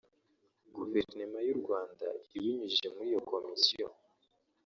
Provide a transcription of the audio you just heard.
Guverinoma y’u Rwanda ibinyujije muri iyo komisiyo